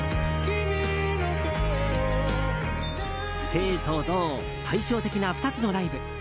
静と動、対照的な２つのライブ。